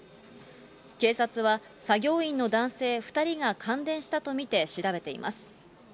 警察は、作業員の男性２人が感電したと見て調べています。